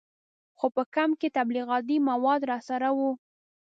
خو په کمپ کې تبلیغاتي مواد راسره وو.